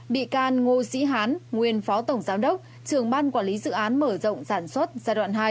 bị can ngô sĩ hán nguyên phó tổng giám đốc trường ban quản lý dự án mở rộng sản xuất giai đoạn hai